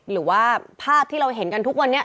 หรือว่าภาพที่เราเห็นกันทุกวันนี้